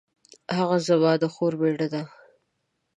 هغه زما د خور میړه دی